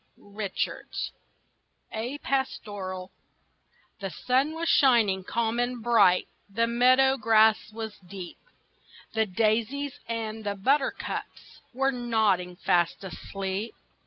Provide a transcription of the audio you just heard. THE sun was shining calm and bright, The meadow grass was deep; The daisies and the buttercups Were nodding, half asleep.